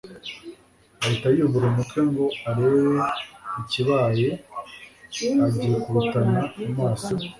ahita yubura umutwe ngo arebe ikibaye agikubitana amaso